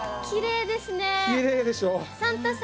きれいでしょ。